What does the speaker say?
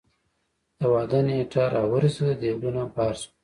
د واده نېټه را ورسېده ديګونه بار شول.